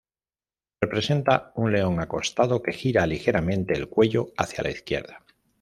Representa un león acostado que gira ligeramente el cuello hacia la izquierda.